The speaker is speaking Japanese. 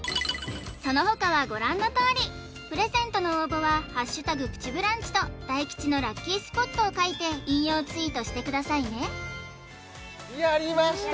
そのほかはご覧のとおりプレゼントの応募は「＃プチブランチ」と大吉のラッキースポットを書いて引用ツイートしてくださいねやりました！